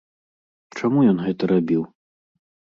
Чаму ён гэта рабіў?